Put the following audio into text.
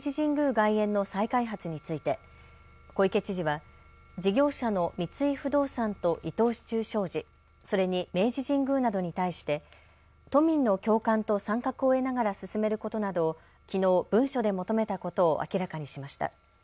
外苑の再開発について小池知事は事業者の三井不動産と伊藤忠商事、それに明治神宮などに対して都民の共感と参画を得ながら進めることなどをきのう文書で求めたことを明らかにしました。